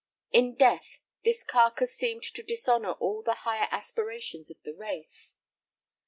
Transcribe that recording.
In death this carcass seemed to dishonor all the higher aspirations of the race.